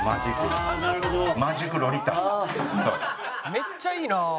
めっちゃいいな！